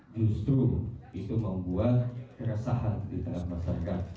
justru itu membuat keresahan di tengah masyarakat